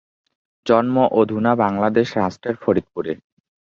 জন্ম অধুনা বাংলাদেশ রাষ্ট্রের ফরিদপুরে।